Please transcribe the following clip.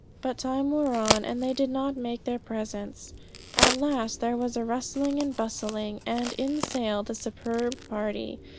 But time wore on, and they did not make their appearance. At last there was a rustling and a bustling, and in sailed the superb party.